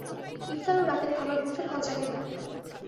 ইফতার ও রাতের খাবার বুফে খাওয়া যাবে এখানে।